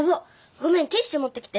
ごめんティッシュもってきて。